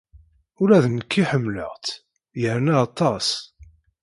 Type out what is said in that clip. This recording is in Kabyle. Ula d nekki ḥemmleɣ-tt yerna aṭas!